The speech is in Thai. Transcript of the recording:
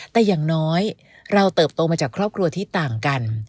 แต่อย่างน้อยเราเติบโตมาจากครอบครัวที่ต่างกัน